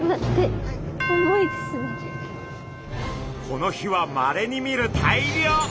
この日はまれに見る大漁！